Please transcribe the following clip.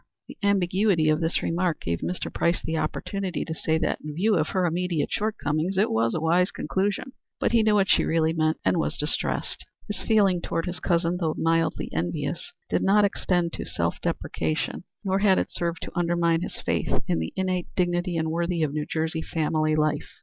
The ambiguity of this remark gave Mr. Price the opportunity to say that, in view of her immediate shortcomings, it was a wise conclusion, but he knew what she really meant and was distressed. His feeling toward his cousin, though mildly envious, did not extend to self depreciation, nor had it served to undermine his faith in the innate dignity and worth of New Jersey family life.